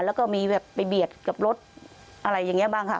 แล้วก็มีแบบไปเบียดกับรถอะไรอย่างนี้บ้างค่ะ